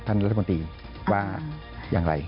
ท่านรัฐมนตรีว่าอย่างไร